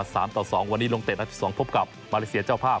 เอาชนะเมียนมามา๓ต่อ๒วันนี้ลงเตะ๑๒พบกับมาริเศษเจ้าผ้า